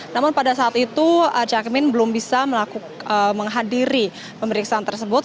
namun pada saat itu cak imin belum bisa menghadiri pemeriksaan tersebut